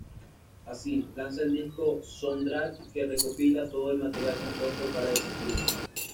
Así, lanza el disco "Soundtracks", que recopila todo el material compuesto para ese film.